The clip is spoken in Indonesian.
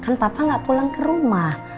kan papa nggak pulang ke rumah